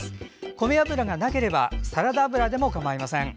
米油がなければサラダ油でもかまいません。